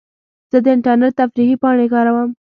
زه د انټرنیټ تفریحي پاڼې کاروم.